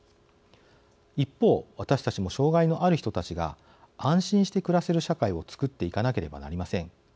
一方私たちも障害のある人たちが安心して暮らせる社会を作っていかなければなりません。